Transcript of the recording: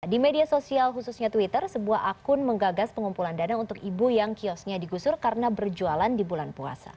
di media sosial khususnya twitter sebuah akun menggagas pengumpulan dana untuk ibu yang kiosnya digusur karena berjualan di bulan puasa